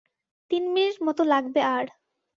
তিন মিনিট মতো লাগবে আর।